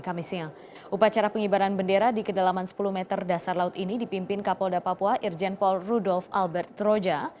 kami siang upacara pengibaran bendera di kedalaman sepuluh meter dasar laut ini dipimpin kapolda papua irjen paul rudolf albert troja